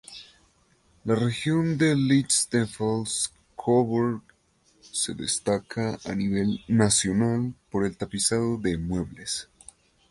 La región de Lichtenfels-Coburg se destaca a nivel nacional por el tapizado de muebles.